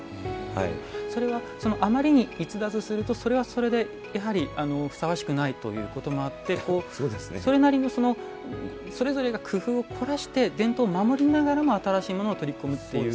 それはあまりに逸脱するとそれはそれでふさわしくないということもありそれなりのそれぞれが工夫を凝らして伝統を守りながらも新しいものを取り込むという。